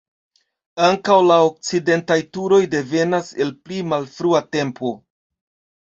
Ankaŭ la okcidentaj turoj devenas el pli malfrua tempo.